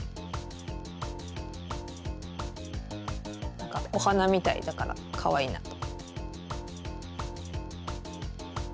なんかおはなみたいだからかわいいなって。